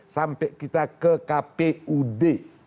sampai kita ke kpud